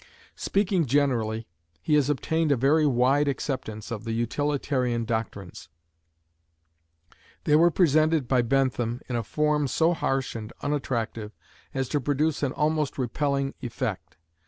Speaking generally, he has obtained a very wide acceptance of the utilitarian doctrines: they were presented by Bentham in a form so harsh and unattractive as to produce an almost repelling effect.